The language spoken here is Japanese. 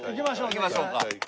行きましょう。